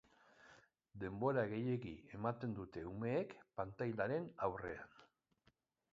Denbora gehiegi ematen dute umeek pantailaren aurrean.